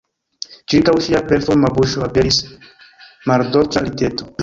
Ĉirkaŭ ŝia belforma buŝo aperis maldolĉa rideto.